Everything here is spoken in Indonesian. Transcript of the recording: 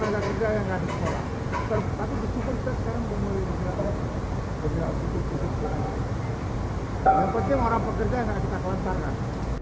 yang penting orang pekerja yang enggak kita kelantarkan